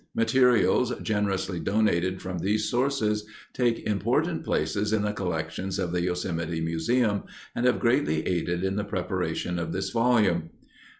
Materials generously donated from these sources take important places in the collections of the Yosemite Museum and have greatly aided in the preparation of this volume.